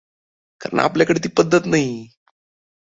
कारण आपल्याकडे ती पद्धत नाही.